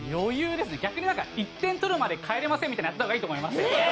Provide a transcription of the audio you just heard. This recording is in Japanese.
逆になんか１点取るまで帰れませんみたいなのやった方がいいと思いますよ。